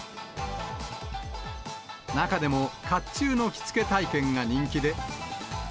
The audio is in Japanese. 中でもかっちゅうの着付け体験が人気で。